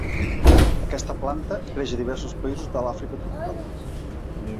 Aquesta planta creix a diversos països de l'Àfrica tropical.